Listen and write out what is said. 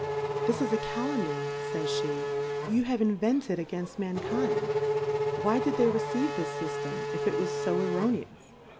This is a Ca'uinny, /^j j/;^, you have invented againfl: Mankind; why did they receive this Syftem if it was fo Erroijious?